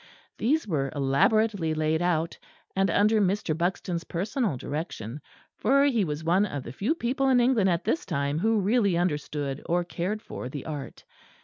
These were elaborately laid out, and under Mr. Buxton's personal direction, for he was one of the few people in England at this time who really understood or cared for the art.